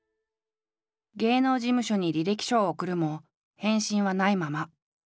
芸能事務所に履歴書を送るも返信はないまま。